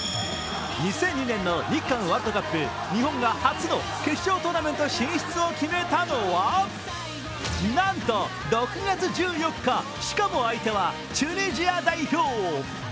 ２００２年の日韓ワールドカップ、日本が初の決勝トーナメントを決めたのはなんと６月１４日、しかも相手はチュニジア代表。